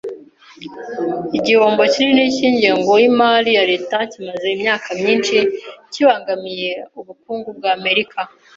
Igihombo kinini cy’ingengo y’imari ya leta kimaze imyaka myinshi kibangamiye ubukungu bw’Amerika.